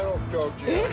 えっ。